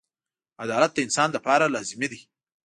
• عدالت د انسان لپاره لازمي دی.